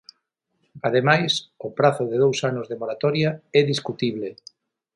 Ademais o prazo de dous anos de moratoria é discutible.